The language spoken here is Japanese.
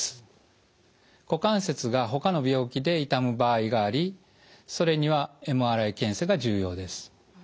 股関節がほかの病気で痛む場合がありそれにはＭＲＩ検査が重要です。